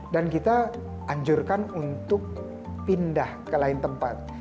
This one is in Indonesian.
dan kita anjurkan untuk pindah ke lain tempat